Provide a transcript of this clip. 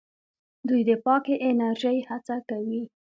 دوی د پاکې انرژۍ هڅه کوي.